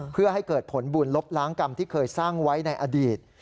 เพื่อให้เกิดผลบุญลบล้างกรรมที่เคยสร้างไว้ในอดีต